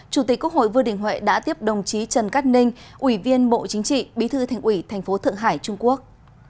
chủ tịch quốc hội vương đình huệ đã tiếp đồng chí trần cát ninh ủy viên bộ chính trị bí thư thành ủy thành phố thượng hải trung quốc